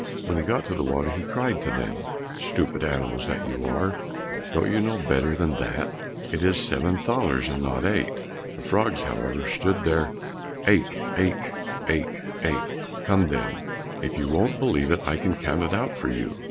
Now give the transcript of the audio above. When he got to the water, he cried to them, "Stupid animals that you are! Don't you know better than that? It is seven thalers and not eight." The frogs, however, stood to their, "aik aik, aik, aik." "Come, then, if you won't believe it, I can count it out to you."